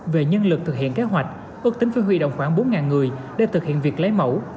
về nhân lực thực hiện kế hoạch ước tính phương hủy đồng khoảng bốn người để thực hiện việc lấy mẫu